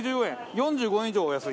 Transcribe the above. ４５円以上お安い。